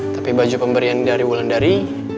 tapi baju pemberian dari wulan dari